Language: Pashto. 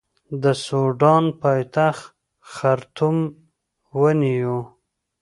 د سوډان پایتخت خرطوم ونیو.